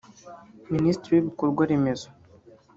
Minisitiri w’Ibikorwa remezo